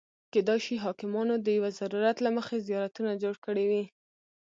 کېدای شي حاکمانو د یو ضرورت له مخې زیارتونه جوړ کړي وي.